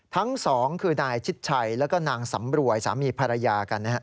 ทั้งสองคือนายชิดชัยแล้วก็นางสำรวยสามีภรรยากันนะครับ